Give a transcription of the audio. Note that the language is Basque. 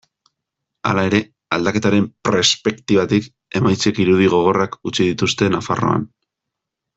Hala ere, aldaketaren perspektibatik, emaitzek irudi gogorrak utzi dituzte Nafarroan.